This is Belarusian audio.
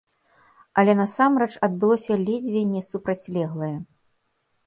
Але насамрэч адбылося ледзьве не супрацьлеглае.